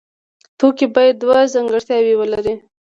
توکی باید دوه ځانګړتیاوې ولري.